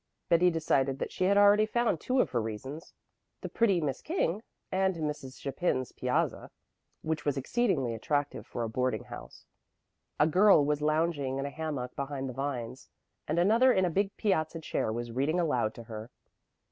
Betty decided that she had already found two of her reasons: the pretty Miss King and Mrs. Chapin's piazza, which was exceedingly attractive for a boarding house. A girl was lounging in a hammock behind the vines, and another in a big piazza chair was reading aloud to her.